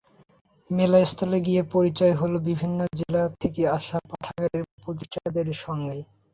মেলাস্থলে গিয়ে পরিচয় হলো বিভিন্ন জেলা থেকে আসা পাঠাগারের প্রতিষ্ঠাতাদের সঙ্গে।